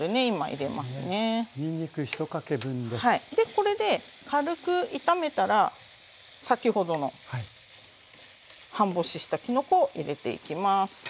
これで軽く炒めたら先ほどの半干ししたきのこを入れていきます。